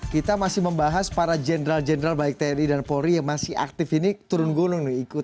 kita masih membahas para jenderal jenderal baik tni dan polri yang masih aktif ini turun gunung